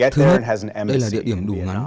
thứ nhất đây là địa điểm đủ ngắn